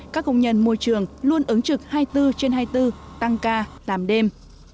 các công nhân môi trường luôn ứng trực hai mươi bốn trên hai mươi bốn tăng ca tám đêm